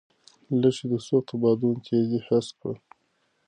لښتې د سختو بادونو تېزي حس کړه.